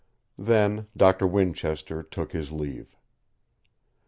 Then Doctor Winchester took his leave.